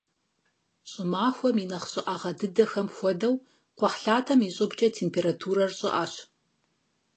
ЩӀымахуэм и нэхъ щӀыӀэгъэ дыдэхэм хуэдэу кхъухьлъатэм и щӀыбкӀэ температурэр щӀыӀэщ.